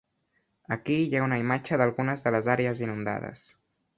Aquí hi ha una imatge d'algunes de les àrees inundades.